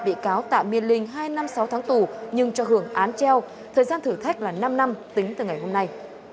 bị cáo tạm miên linh hai năm sáu tháng tù nhưng cho hưởng án treo thời gian thử thách là năm năm tính từ ngày hôm nay